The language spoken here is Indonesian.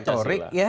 itu kan retorik ya